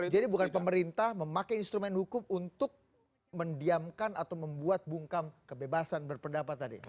jadi bukan pemerintah memakai instrumen hukum untuk mendiamkan atau membuat bungkam kebebasan berpendapat tadi